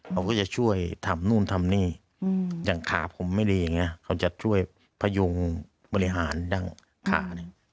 เขาก็จะช่วยทำนู่นทำนี่อย่างขาผมไม่ดีอย่างนี้เขาจะช่วยพยุงบริหารดั้งขาเนี่ย